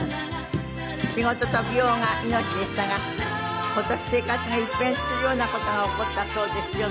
仕事と美容が命でしたが今年生活が一変するような事が起こったそうですよ。